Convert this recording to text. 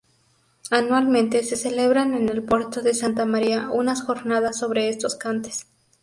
Anualmente se celebran en El Puerto de Santa María unas jornadas sobre estos cantes.